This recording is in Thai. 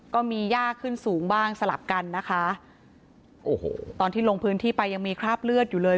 ก็มียากขึ้นสูงบ้างสลับกันนะคะโอ้โหตอนที่ลงพื้นที่ไปยังมีคราบเลือดอยู่เลย